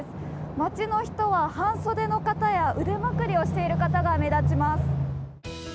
街の人は半袖の方や腕まくりをしている方が目立ちます。